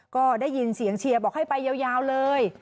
ก็ได้ยินเสียงเชียร์บอกให้ไปยาวเลย